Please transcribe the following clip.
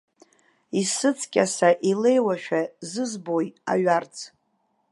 Исыҵкьаса илеиуашәа зызбои аҩарӡ?